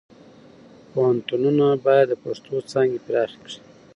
پوهنتونونه باید د پښتو څانګې پراخې کړي.